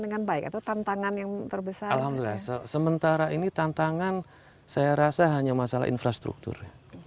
dengan baik atau tantangan yang terbesar alhamdulillah sementara ini tantangan saya rasa hanya masalah infrastruktur